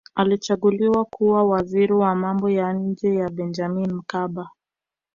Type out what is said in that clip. alichaguliwa kuwa waziri wa mambo ya nje na benjamini mkapa